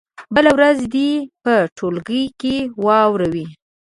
بله ورځ دې یې په ټولګي کې واوروي.